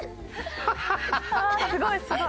すごいすごい。